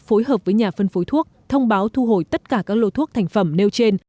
phối hợp với nhà phân phối thuốc thông báo thu hồi tất cả các lô thuốc thành phẩm nêu trên